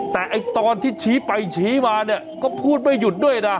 แต่ตอนที่ชี้ไปชี้มาเนี่ยก็พูดไม่หยุดด้วยนะ